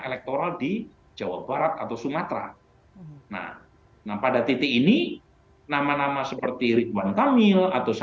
elektoral di jawa barat atau sumatera nah pada titik ini nama nama seperti ridwan kamil atau